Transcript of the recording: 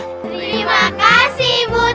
terima kasih butet